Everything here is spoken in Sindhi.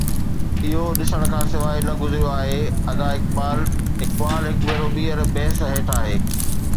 اهو ڏسڻ کان سواءِ نه گذريو آهي.ادا اقبال اقبال هڪ ڀيرو ٻيهر بحث هيٺ آهي.